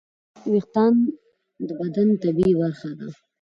وېښتيان د بدن طبیعي برخه ده.